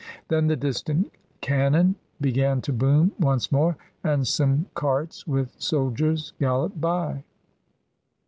Then the distant cannon be gan to boom once more, and some carts with soldiers galloped by.